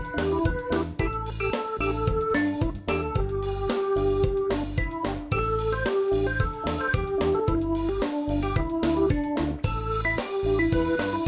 กล้ามคนที่เป็นหัวใจของฉันคนนี้